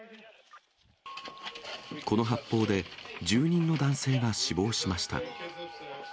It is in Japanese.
この発砲で住人の男性が死亡しました。